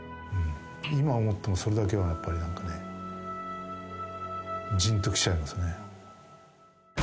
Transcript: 今思っても、それだけはやっぱりなんかね、じんときちゃいますね。